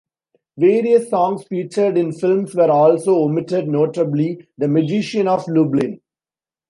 Various songs featured in films were also omitted, notably "The Magician Of Lublin".